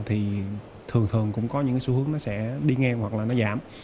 thì thường thường cũng có những cái xu hướng nó sẽ đi ngang hoặc là nó giảm